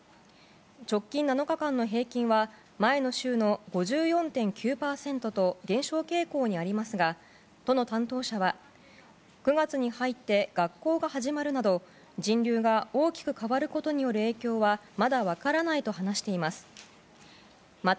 直近７日間の平均は前の週の５４．９％と減少傾向にありますが都の担当者は９月に入って学校が始まるなど人流が大きく変わることによる影響はまだ分からないと話しています。